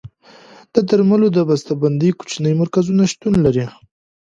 د درملو د بسته بندۍ کوچني مرکزونه شتون لري.